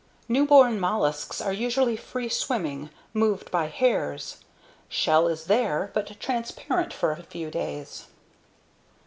Newborn mollusks are usually free swimming, moved by hairs. Shell is there, but transparent for a few days.